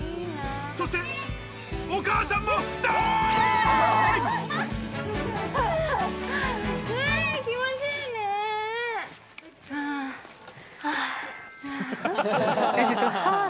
そしてお母さんもダイブ！